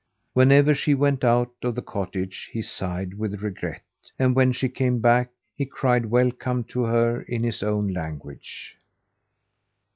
Whenever she went out of the cottage he sighed with regret; and when she came back he cried welcome to her in his own language.